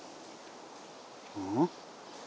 うん？